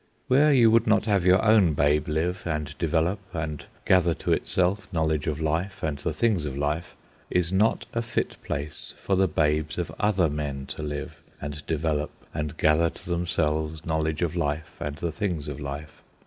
Where you would not have your own babe live, and develop, and gather to itself knowledge of life and the things of life, is not a fit place for the babes of other men to live, and develop, and gather to themselves knowledge of life and the things of life.